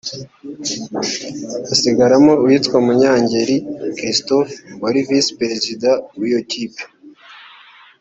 hasigaramo uwitwa Munyangeri Christophe wari Visi-Perezida w’iyo kipe